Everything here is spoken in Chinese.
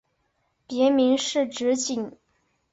别名是直景。